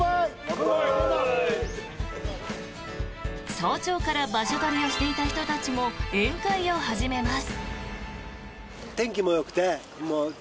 早朝から場所取りをしていた人たちも宴会を始めます。